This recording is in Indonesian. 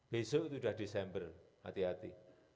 besok itu sudah desember hati hati